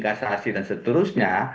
kasasi dan seterusnya